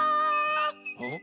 うん？